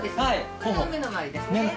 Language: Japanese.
これが目の周りですね。